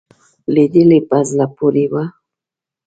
لیدلې په زړه پورې وو.